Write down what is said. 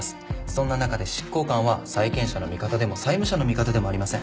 そんな中で執行官は債権者の味方でも債務者の味方でもありません。